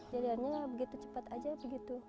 jadiannya begitu cepat aja begitu